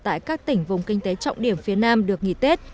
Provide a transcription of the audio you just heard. tại các tỉnh vùng kinh tế trọng điểm phía nam được nghỉ tết